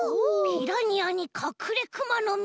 ピラニアにカクレクマノミ！